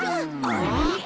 あれ？